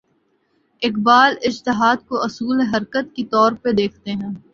اقبال اجتہاد کو اصول حرکت کے طور پر دیکھتے ہیں۔